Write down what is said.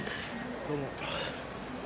どうも。